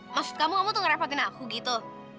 maksud kamu kamu tuh ngerepotin aku gitu